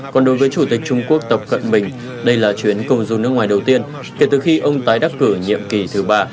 còn đối với chủ tịch trung quốc tập cận bình đây là chuyến công du nước ngoài đầu tiên kể từ khi ông tái đắc cử nhiệm kỳ thứ ba